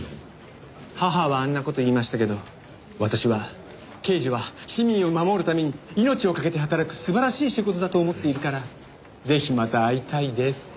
母はあんな事言いましたけど私は刑事は市民を守るために命を懸けて働く素晴らしい仕事だと思っているからぜひまた会いたいです。